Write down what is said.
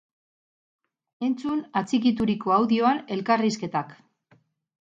Entzun atxikituriko audioan elkarrizketak!